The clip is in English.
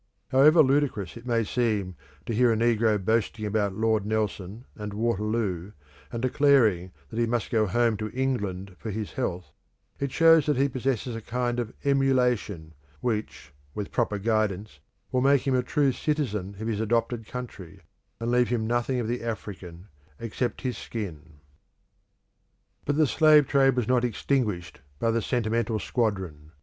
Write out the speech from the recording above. However ludicrous it may seem to hear a negro boasting about Lord Nelson and Waterloo, and declaring that he must go home to England for his health, it shows that he possesses a kind of emulation, which, with proper guidance, will make him a true citizen of his adopted country, and leave him nothing of the African except his skin. But the slave trade was not extinguished by the "sentimental squadron."